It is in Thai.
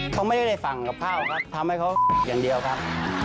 เขาไม่ได้สั่งกับข้าวครับทำให้เขาอย่างเดียวครับ